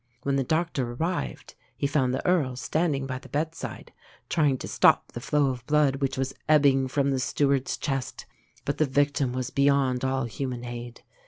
When the doctor arrived he found the Earl standing by the bedside, trying to stop the flow of blood which was ebbing from the steward's chest; but the victim was beyond all human aid.